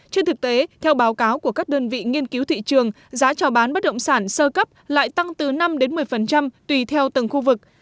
trên thực tế theo báo cáo của các đơn vị nghiên cứu thị trường giá trào bán bất động sản sơ cấp lại tăng từ năm một mươi tùy theo từng khu vực